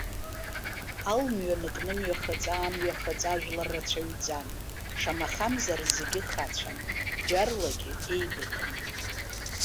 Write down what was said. Алмҩанык нымҩахыҵ-аамҩахыҵ ажәлар рацәаҩӡан, шамахамзар зегьы хацәан, бџьарлагьы еибыҭан.